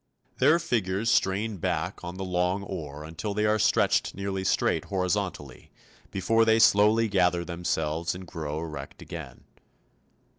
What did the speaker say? Their figures strain back on the long oar until they are stretched nearly straight horizontally before they slowly gather themselves and grow erect again.